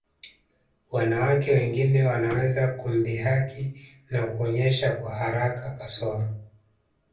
Wanawake wengine wanaweza kumdhihaki na kuonyesha kwa haraka kasoro